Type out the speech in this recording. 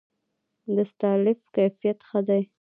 د اسفالټ کیفیت ښه دی؟